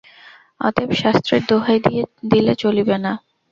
অতএব শাস্ত্রের দোহাই দিলে চলিবে না।